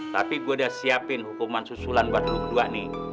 tapi gue udah siapin hukuman susulan buat dua nih